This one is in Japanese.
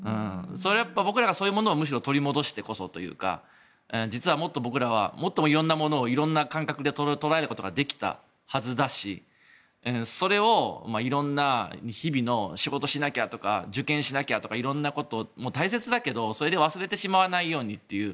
僕らがそういうものをむしろ取り戻してこそというか僕らはもっと色んなものを色んな感覚で捉えることができたはずだしそれを色んな日々の仕事しなきゃとか受験しなきゃとか色んなことも大切だけどそれで忘れてしまわないようにという。